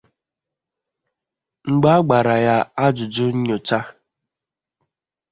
Mgbe a gbàrà ya ajụjụ nnyòcha